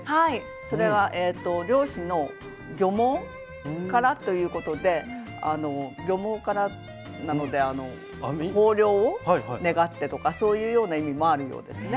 それは漁師の漁網からということで漁網からなので豊漁を願ってとかそういうような意味もあるようですね。